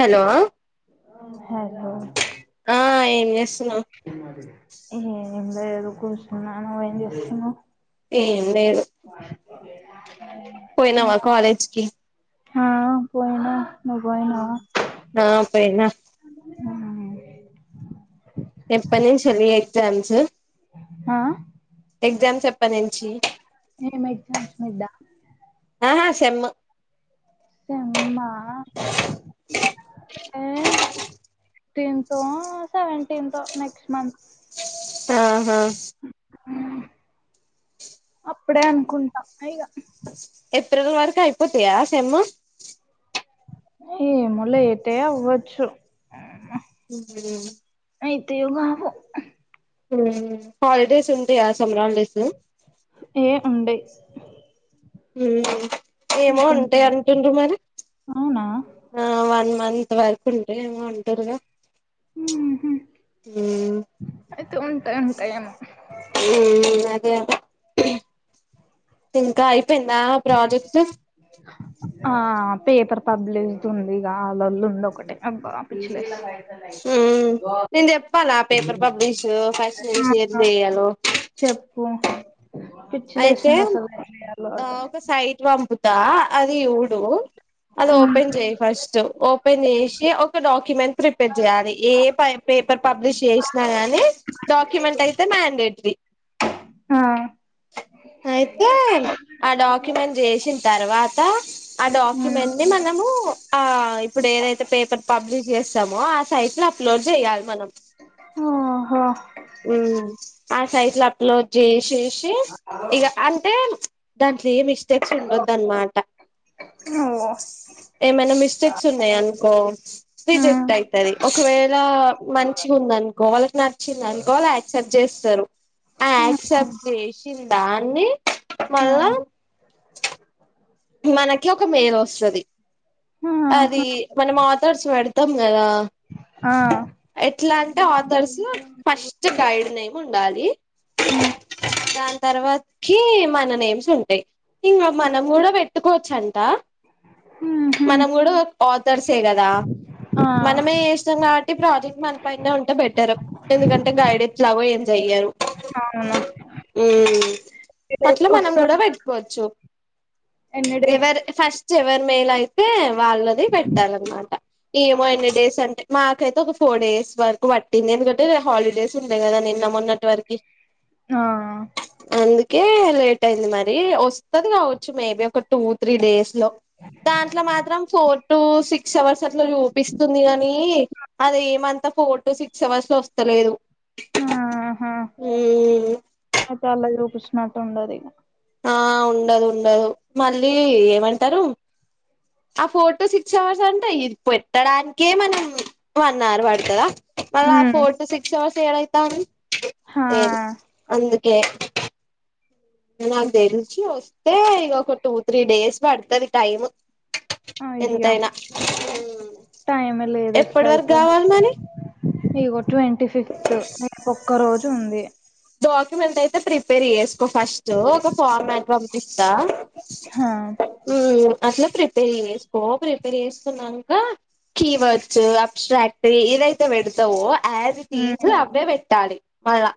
Hello ఆ [inaudible] ఏం చేస్తున్నావ్ ఏం లేదు కూర్చున్నా నువ్వేం చేస్తున్నావ్ ఏం లేదు పోయినావా కాలేజీకి హా పోయినా నువ్వు పోయినావా హ పోయినా ఎప్పటినుంచి ఉంది ఎగ్జామ్స్ ఆ ఎగ్జామ్స్ ఎప్పటినుంచి ఏం ఎగ్జామ్స్ మెడ ఆహా సేమ్ సెమ్మా ఏ ఫటీన్ తో సెవెంటీన్ తో నెక్స్ట్ మంత్ ఆహా అప్పుడే అనుకుంటా ఇగ ఏప్రిల్ వరకు అయిపోతయా సెమ్ ఏ మళ్ళా చేస్తే అవ్వచ్చు హ అయితే వవో మ్మ్ హాలిడేస్ ఉంటయా అసలు రామ్ డేస్లో ఏ ఉండాయి ఏమో ఉంటాయి అంటుండ్ర మరి అవునా ఆ వన్ మంత్ మంత్ వరకు ఉంటే ఏమో అంటుర్రుగా మ్మ్ అయితే ఉంటే ఉంటాయేమో మ్మ్ అదే అదే ఇంకా అయి అయిపోయిందా ప్రాజెక్టు ఆ పేపర్ పబ్లిష్ ఉంది ఇక ఆలోళ్ళు ఉంది ఒకటేబా పిచ్చలే మ్మ్ నేను చెప్పాలా పేపర్ పబ్లిష్ ఫస్ట్ నుంచి ఆ ఎట్లా చేయాలో చెప్పు అయితే పిచ్చిలేసింది అసల్ కి దా అది ఊడు అది ఓపెన్ చేయ ఫస్ట్ ఓపెన్ చేసి ఒక డాక్యూుమెంట్ చేయాలి ఏ పేపర్ పబ్లిష్ చేసినా గాని డాక్యుమెంట్ అయితే మండేటరీ ఆ అయితే ఆ డాక్యుమెంట్ చేసిన తర్వాత ఆ ఉమ్ డాక్యుమెంట్ ని మనము ఆ ఇప్పుడు ఏదైతే పేపర్ పబ్లిష్ చేస్త మో ఆ సైట్ లో అప్లోడ్ చేయాలి మనం ఆహా హు ఆ సైజ్ లా అప్లోడ్ చేసేసి ఇగ అంటే దాంట్ల ఏ మిస్టేక్స్ ఉండొదన్నమాట ఓ ఏమన్న మిస్టేక్ సున్నాయనుకో ఉమ్ రిజెక్ట్ అయితది ఒకవేళ మంచిగా ఉందనుకో వాళ్ళకి న చ్చిందనుకో వాళ్ళు యాక్సెప్ట్ చేస్తారు అ ఉమ్ యాక్సెప్ట్ చేసిందాన్ని ఆ మళ్ళా మనకి ఒక మేల్ వస్తది ఆహా అది మనం ఆతర్స్ పెడుతాం కదా ఆ ఎట్లా అంటే ఆథర్స్ ఫస్ట్ గైడ్ నేమ్ ఉం డాలీ ఆ దాని తర్వాతకిి మన నేమ్స్ ఉంటాయి ఇంగ మనం కూడా పెట్టుకోవచ్చంట మ్ హు మనం కూడా ఆథర్సే కదా మనమే చేసినం కబ ఈ ప్రాజెక్ట్ మనపైన్నే ఉంటే బెటర్ ఎందుకంటే గైడెట్లాగో ఏం చెయ్యరు అవునా హుమ్ అట్ల మనం కూడా పెట్టుకోవచ్చు ఎన్నడు చివరి మేల్ అయితే వాళ్ళది పెట్టాలన్నమాట ఏమో ఎన్ని డేస్ అంటే మాకైతే ఒక ఫోర్ డేస్ వరకు పట్టింది ఎందుకంటే హాలిడేస్ ఉండే కదా నిన్న మొన్నటి వరకి ఆ ఆ కే లేట్ అయింది మరి వస్తది కావచ్చు మేబీ ఒక టూ త్రీ డేస్ లో దాంట్లో మాత్రం ఫోర్ టు సిక్స్ అవర్స్ అట్లా చూపిస్తుంది కాని అదేమంతా ఫోర్ టు సిక్స్ అవర్స్ లో వస్తలేదు ఆహ మ్మ్ అయితే అాలా చూపించినట్టు ఉండది ఆ ఉండదు ఉండదు మళ్ళీ ఏమంటారు ఆ ఫోర్ టు సిక్స్ అవర్స్ అంటే ఇది పెట్టడానికే మనం వన్ అవర్ పడుతదా మళ్ళా ఉమ్ ఫోర్ టు సిక్స్ అవర్స్ ఏడైతంది హా లేదు అందు కే నాకు తెల్చి వస్తే ఇగ ఒక టూ త్రీ డేస్ పడుతది టైమ్ అయ్యో ఎంతైనా హు టైమే లేదు ఎప్పటి వరకు ఎట్లయితే కావాలి మరి ఇగో ట్వీ ఫిఫ్త్ ఒక్క రోజు ఉంది డాక్యుమెంట్ అయితే ప్రిపేర్ చేసుకో ఫస్ట్ ఒక ఫామ్ మేట్ పంపిస్తా హా మ్మ్ అట్లా ప్రిపేర్ చేసుకో ప్రిపేర్ చేసుకున్నాక కీవడ్స్ అప్స్ట్రాక్టీ ఇదైతే పెడుతావో మ్ యాజ్టీటిజ్ అవ్వే పెట్టాలి మళ్ళా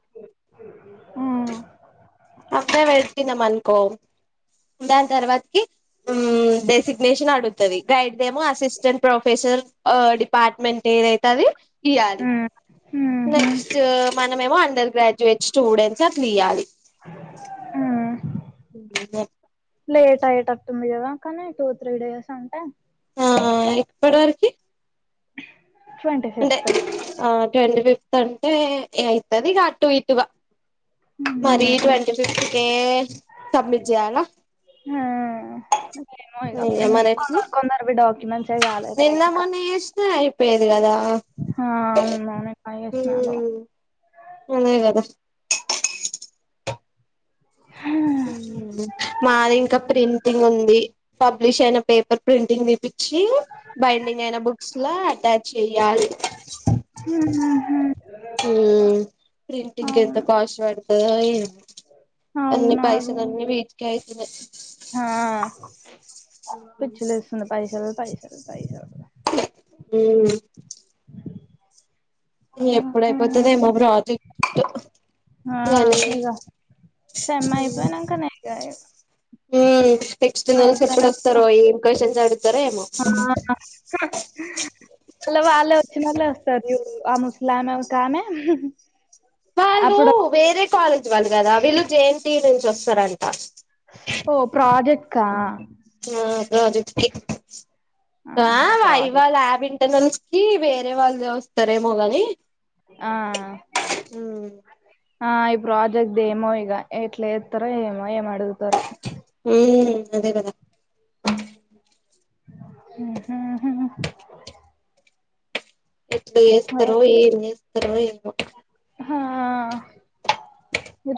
మ్ అవ్వే పెట్టినం అనుకో దాని తర్వాతికి హు డెసిగ్నేషన్ అడుగుతది గైడ్దేమో అసిస్టెంట్ ప్రొఫెసర్ డిపార్ట్మెంట్ ఏదైతె అది ఇయ్యలి మ్ మ్హు నెక్స్ట్ మనమోమొ అందరి గ్రాడ్యుయేట్ స్టూడెంట్స్ అట్ల ఇయ్యాలి మ్ లేట్ అయ్యేటట్టు ఉంది కదా కానీ టూ త్రీ డేస్ ఉంటే ఆ ఎప్పటి వరకి ట్వంటీ అంటే ఫిఫ్త్ ఆ ట్వంటీ ఫిఫ్త్ అంటే అయితదిగ అటు ఇటుగా మరి మ్ ట్వంటీ ఫిఫ్త్ కే సబ్మిట్ చేయాలా హా ఏమో ఇగ అయ్యా హు మరి కొం ఎట్లా కొందరికి డౌట్ ఉం నిన్న మొన్న చేసిన అయిపోయేది కదా ఆ అవును మౌని అయ్యేస్ట్ నాకు అదే కదా మాది ఇంకా ప్రింటింగ్ ఉంది పబ్లిష్ అయిన పేపర్ ప్రింటింగ్ తీపిచ్చి బైండింగ్ అయిన బుక్స్ లో అటాచ్ చెయాలి ఉహుహు ఉమ్ ప్రింటింగ్కి ఎంత అవును కాస్ట్ పడతదో అన్ని అవును అదే పైసలు అన్ని ఇంకా వీటికే అయితాయి పిచ్చలేస్తుంది పైసలు పైసలు పైసలు ఉమ్ ఎప్పుడైపోతుందో ఏమో ప్రాజెక్ట్ ఆ కానే ఇగ సెమ్ అయిపోయినంకనే ఇగ ఉమ్ టెక్స్ట్ నల్స్ ఎప్పుడ అయిపోయినంక వస్తారో ఏం క్వశ్చన్ అడుగుతారో ఏమో మళ్ళ వాళ్ళే వచ్చినోళ్ళే వస్తారు చూడు ఆ ముసలి ఆమె ఒక ఆమె వాళ్ళు అప్పుడు వేరే కాలేజ్ వాళ్ళు కదా వీళ్ళు జె ఎన్టియూ నుంచి వస్తారంట ఓ ప్రాజెక్ట్ కా ఆ [unintelligible] ఆహా వాయి వా ఇవాళ ప్రాజెక్ట్ ల్యాబ్ ఇంటర్నల్ కి వేరే వాళ్ళ వస్తరేమో అని ఆ ఆ ఈ ప్రాజెక్ట్ది ఏమో ఇగ ఎట్ల చేత్తర ఏమో ఏమా ఉమ్ అదే కదా ఉహుహు ఎట్ల చేస్తారో ఏం చేస్తారో ఏమో ఆ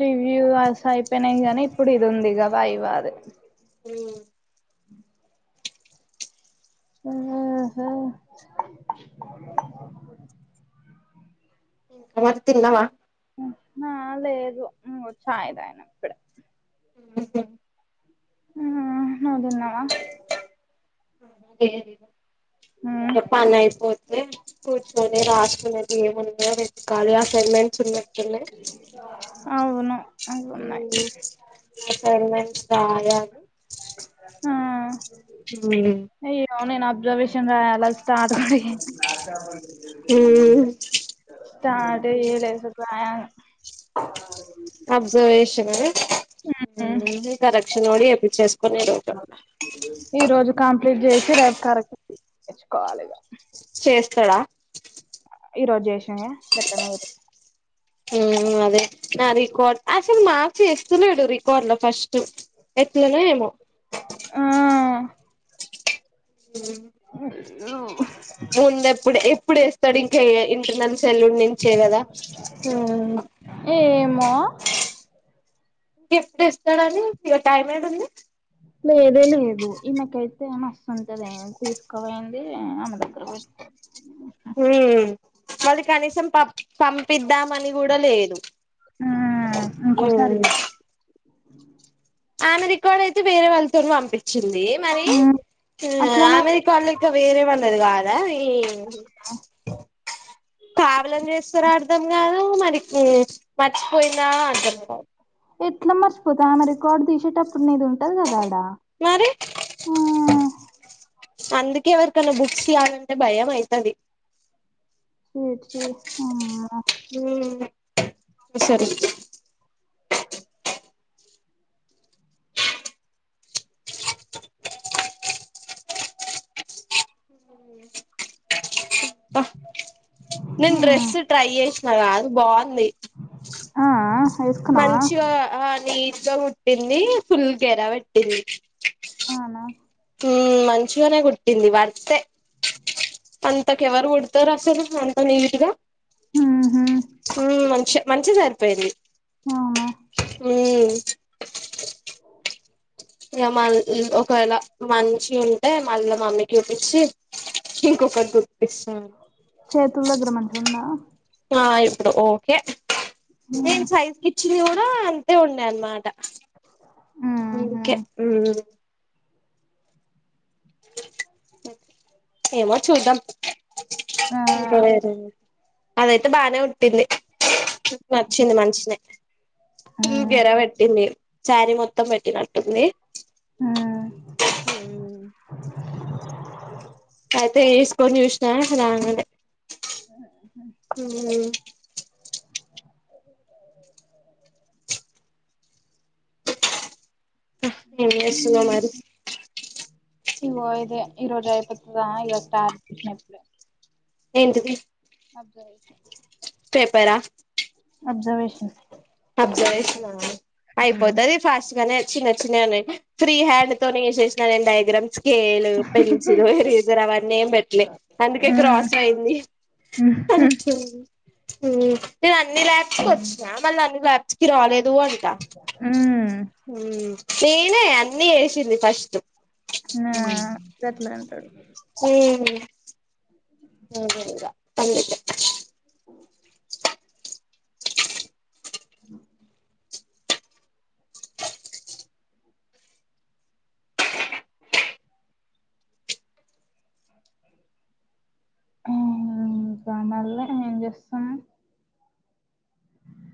రివ్యూస్ అయిపోయినాయి గానీ ఇప్పుడు ఇది ఉంది కబా అయివాద ఉమ్ ఓహా ఆ మరి తిన్నావా ఆ లేదు చాయి తాగిన ఇప్పుడ ఉమ్ ఉమ్ నువ్వు తిన్నావా అదే చెప్పాల్న అయిపోతే కూర్చొని రాసుకునేది ఏమున్నాయో వెతకాలి అసైన్మెంట్ చూడనే చూళ్ళే అవును అవి ఉమ్ ఉన్నాయి అసైన్మెంట్ రాయాలి ఉమ్ ఉమ్ అవును నేను అబ్జర్వేషన్ రాయాల స్టార్ట్ కూడా చేయ స్టార్ట్ ఏ చేయలే అసలు ప్ర అబ్జర్వేషన్ ఇంకా కరెక్షన్ కూడా చేపిచ్చేసుకొని ఈ రోజు ఈ రోజు కంప్లీట్ చేసి రేపు కరెక్ట్ చేపిచ్చుకోవాలి ఇగ చేస్తాడా ఈ రోజు చేసేయి గట్లనే ఉమ్ అదే నా రికార్డ్ అసలు మార్క్స్ వేస్తలేడు రికార్డ్ లో ఫస్ట్ ఎట్లనో ఏమో ఆ ఉమ్ ముంద ఎప్పుడు ఎప్పుడు వేస్తాడు ఇంకా ఇంటర్నల్స్ సెల్లు నుంచే కదా ఉమ్ ఏమో ఇంకా ఎప్పుడు వేస్తాడని ఇగ టైం యాడ ఉంది [unintelligible] వస్తూంటదే తీసుకోవయింది ఆమె ద హమ్ వాళ్ళు కనీసం ప పంపిద్దామని కూడా లేదు హమ్ ఇంకోసారి ఇయేదు ఆమె రికార్డ్ అయితే వేరే వాళ్ళతో నీ పంపించింది ది మరి హ్మ్. ఆ అట్లనే అమె రికార్డ్ లెక్క వేరే వాళ్ళది కాదా ఈ కావలని చేస్తారా అర్థం కాదు మరి మర్చిపోయిందా అర్ధంకాదు ఎట్లా మరచిపోత ఆమె రికార్డు తీసేటపు ఇప్పుడు నీది ఉంటాది కదా ఆడా మరి అందుకే ఎవరికన్నా బుక్స్ ఇయ్యాలంటే భయం అయితాది చి చి అవునా సరి నేను హ్మ్. డ్రెస్సు ట్రై చేసినగా అది బాగుంది ఆ! ఆ! ఏసుకున్నావా? మంచిగా ఆ నీ గ కుట్టింది ఫుల్ గేర పేట్టింది అవునా? ఉ మంచిగానే కుట్టింది వర్తే అంతకెవరు కుడతారు అసలు అంత నీట్ గా హుహు. ఆ మంచి మంచిగా సరిపోయింది అవునా? ఆమ్ ఇగ మరి ఒకేలా మంచి ఉంటే మళ్ళ మమ్మీ కి చూపించి ఇంకొకటి కుటిస్తాను చేతుల దగ్గర మంచిగా ఉంది ఇప్పుడు ఓకే నేను హ్మ్. సైజ్కి ఇచ్చింది కూడా అంతే ఉండే అన్న మాట హుహు. అందుకే ఏమో చూద్దాం ఆ! అదైతే బానే కుట్టింది నచ్చింది మంచిగానే ఆ! ఫుల్ గెరబెట్టింది సారీ మొత్తం పెట్టినట్టుంది ఆ! అయితే వేసుకోని చూసిన నార్మల్ యే [inaudible] ఉ ఏం చేస్తున్నావు మరి ఇగో ఇదే ఈ రోజు అయిపోతదా ఇగా స్టార్ [unintelligible] ఎంటిది అబ్జర్వేషన్ పేపర్ ఆ అబ్జర్వేషన్ అబ్జర్వేషన్ నా అయిపోతాది ఫాస్ట్ గానే చిన్న చిన్నగానే ఫ్రీ హ్యాండ్ తోనే చేసినా నేను డయాగ్రామ్స్ స్కేలు పెన్సిల్ ఎరైజర్ అవన్నీ ఏం పెట్టలే అందుకే క్రాస్ అయింది హ్మ్. అకే [unintelligible] నేను అన్ని లాబ్ కి వచ్చిన మళ్ళీ అన్ని ల్యాబ్స్ కి రాలేదు అంట హ్మ్ నేనే అన్నీ చేసింది ఫస్ట్ ఆ ఉ గట్లే అంటాడు ఉమ్ అదే ఇగ అందుకే అ [inaudible] ఆ ఇంకా మళ ఏంచేస్తునావు